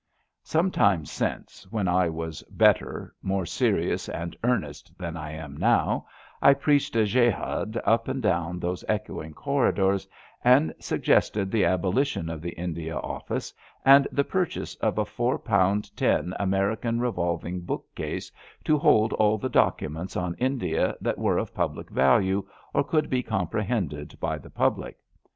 Some time since, when I was better, more serious and earnest than I am now, I preached a jehad up and down those echoing corridors, and suggested the abolition of the India Office and 222 ABAFT THE FUNNEL the purchase of a four p'ound ten American re volving bookcase to hold all the documents on India that were of pnblic value or could be com prehended by the public.